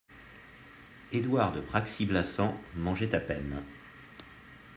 Édouard de Praxi-Blassans mangeait à peine.